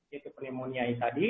yaitu polimonia tadi